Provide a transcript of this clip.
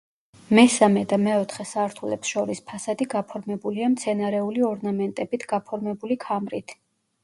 მესამე და მეოთხე სართულებს შორის ფასადი გაფორმებულია მცენარეული ორნამენტებით გაფორმებული ქამრით.